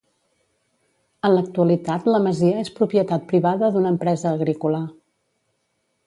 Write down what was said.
En l'actualitat la masia és propietat privada d'una empresa agrícola.